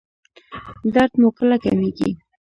درد مو کله کمیږي؟